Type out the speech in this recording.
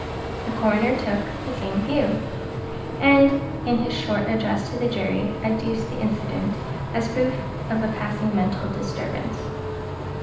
The coroner took the same view, and in his short address to the jury adduced the incident as proof of a passing mental disturbance.